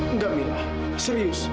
enggak minah serius